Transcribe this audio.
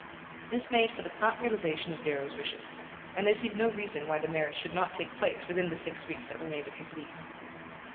This made for the prompt realization of Darrow's wishes, and there seemed no reason why the marriage should not take place within the six weeks that remained of his leave.